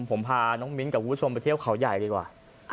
ผมพาน้องมิ้นกับคุณผู้ชมไปเที่ยวเขาใหญ่ดีกว่า